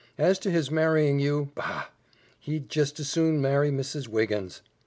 As to his marrying you, bah! He'd jes' as soon marry Mrs. Wiggins."